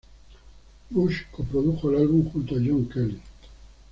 Bush co-produjo el álbum juntó a Jon Kelly.